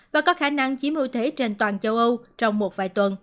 và có khả năng chiếm ưu thế trên toàn châu âu trong một vài tuần